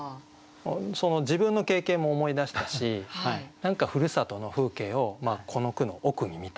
その自分の経験も思い出したし何かふるさとの風景をこの句の奥に見たというか。